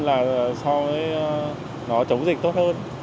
là so với nó chống dịch tốt hơn